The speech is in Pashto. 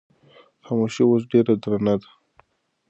خاموشي اوس ډېره درنه ده.